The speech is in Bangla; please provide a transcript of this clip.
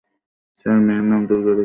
স্যার, মেয়ের নাম দুর্গা রেখেছি।